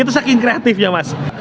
itu saking kreatifnya mas